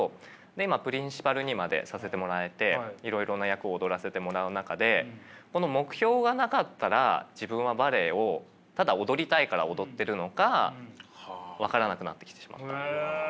今プリンシパルにまでさせてもらえていろいろな役を踊らせてもらう中でこの目標がなかったら自分はバレエをただ踊りたいから踊ってるのか分からなくなってきてしまった。